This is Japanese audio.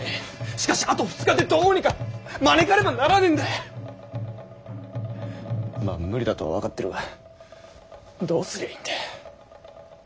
しかしあと２日でどうにか招かねばならねぇんだ。まぁ無理だとは分かってるがどうすりゃいいんだ。